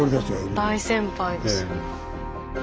大先輩ですね。